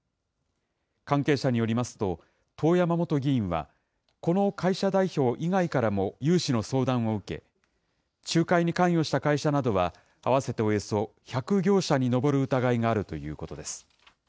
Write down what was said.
関係者によりますと、遠山元議員は、この会社代表以外からも融資の相談を受け、仲介に関与した会社などは、合わせておよそ１００業者に上る疑いがあるということです。